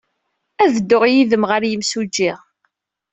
Ad dduɣ yid-m ɣer yimsujji.